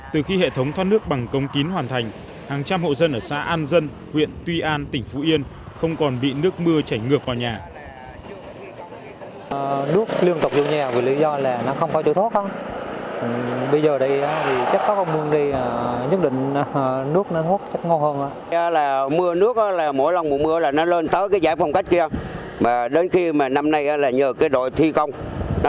từ khi hệ thống thoát nước bằng công kín hoàn thành hàng trăm hộ dân ở xã an dân huyện tuy an tỉnh phú yên không còn bị nước mưa chảy ngược vào nhà